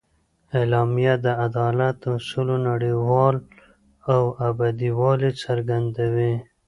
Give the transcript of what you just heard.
اعلامیه د عدالت اصولو نړیوال او ابدي والي څرګندوي.